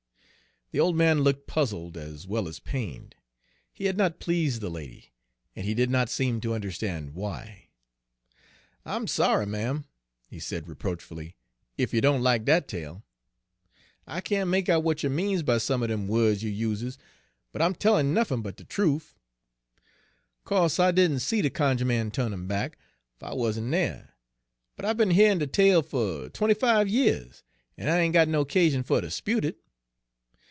The old man looked puzzled as well as pained. He had not pleased the lady, and he did not seem to understand why. "I'm sorry, ma'm," he said reproachfully, "ef you doan lack dat tale. I can't make out w'at you means by some er dem wo'ds you uses, but I'm tellin' Page 128 nuffin but de truf. Co'se I didn' see de cunjuh man tu'n 'im back, fer I wuzn' dere; but I be'n hearin' de tale fer twenty five yeahs, en I ain' got no 'casion fer ter 'spute it.